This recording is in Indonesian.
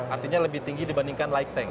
artinya lebih tinggi dibandingkan light tank